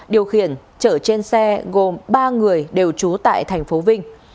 điều khiển chở trên xe gồm ba người đều chú tại tp vinh